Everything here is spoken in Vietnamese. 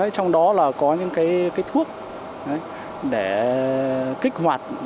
trong đó là có những thuốc để kích hoạt